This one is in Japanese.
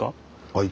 はい。